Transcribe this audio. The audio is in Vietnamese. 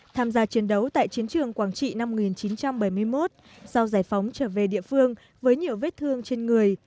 tham gia chiến đấu tại chiến trường quảng trị năm một nghìn chín trăm bảy mươi một sau giải phóng trở về địa phương với nhiều vết thương trên người